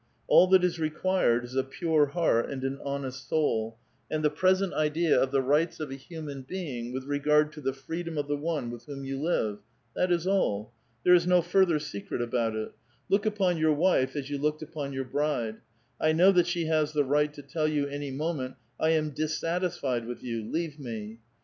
All that is required is a pure heart and an honest soul, and the present idea of the rights of a human being with regard to the freedom of the one with whom you live. That is all. There is no further secret about it. Look upon your wife as yon looked upon your bride ; know that she has the right to tell you any moment, "I am dissatisfied with you; leave me."